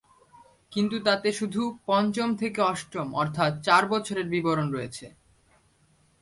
কিন্তু তাতে শুধু পঞ্চম থেকে অষ্টম অর্থাৎ চার বছরের বিবরণ রয়েছে।